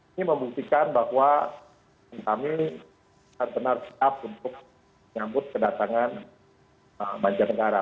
ini membuktikan bahwa kami benar benar siap untuk menyambut kedatangan banjarnegara